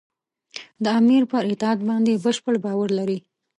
د امیر پر اطاعت باندې بشپړ باور لري.